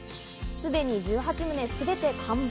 すでに１８棟すべて完売。